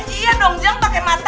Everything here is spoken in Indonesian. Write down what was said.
iya dong jeng pake mata